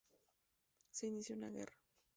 Se inició una guerra.